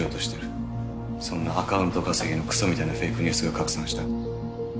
そんなアカウント稼ぎのクソみたいなフェイクニュースが拡散した。